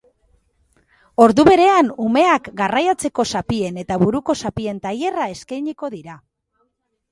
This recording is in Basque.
Ordu berean, umeak garraiatzeko zapien eta buruko zapien tailerra eskainiko dira.